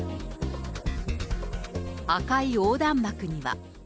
赤い横断幕には。